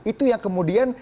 itu yang kemudian